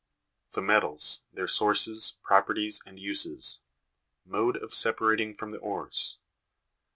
The metals, their sources, properties, and uses ; mode of separating from the ores.